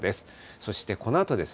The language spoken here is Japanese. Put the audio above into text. そしてこのあとです。